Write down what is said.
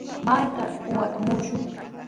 ¿Maytrawraq uqata murushwan?